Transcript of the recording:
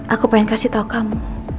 aku pengen kasih tahu kamu